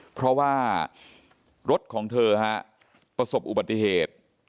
เพราะว่ารถของเธอฮะประสบอุบัติเหตุ